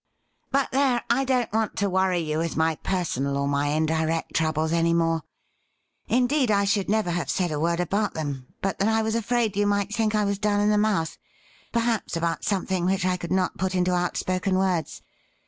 But there, I don't want to worry you with my personal or my indirect troubles any more. Indeed, I should never have said a word about them, but that I was afraid you might think I was down in the mouth — ^perhaps about something which I could not put into outspoken words.